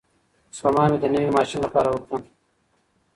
سپما مې د نوي ماشین لپاره وکړه.